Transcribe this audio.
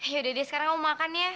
yaudah deh sekarang kamu makan ya